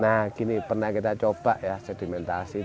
nah gini pernah kita coba ya sedimentasi